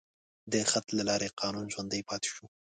د خط له لارې قانون ژوندی پاتې شو.